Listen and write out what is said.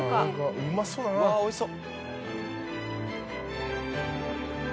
うわおいしそう。